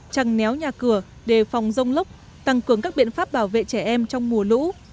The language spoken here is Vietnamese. trăng néo nhà cửa đề phòng rông lốc tăng cường các biện pháp bảo vệ trẻ em trong mùa lũ